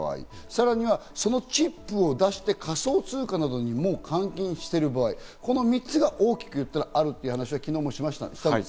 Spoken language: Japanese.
さらにはそのチップを出して、仮想通貨などにもう換金している場合、この３つが大きくいったらあるという話を昨日もしました。